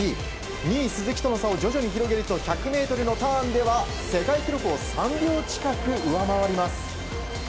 ２位、鈴木との差を徐々に広げると１００ｍのターンでは３秒近く上回ります。